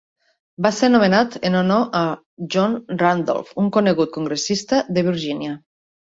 Va ser nomenat en honor a John Randolph, un conegut congressista de Virgínia.